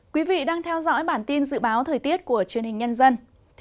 quý vị đang theo dõi bản tin dự báo thời tiết của truyền hình nhân dân